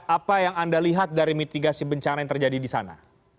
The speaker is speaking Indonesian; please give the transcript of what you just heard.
apa yang anda lihat dari mitigasi bencana yang terjadi di sana